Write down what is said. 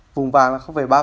vùng vàng là ba